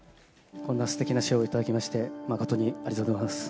こんなすてきな賞を頂きまして、誠にありがとうございます。